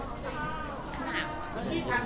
สวัสดีครับ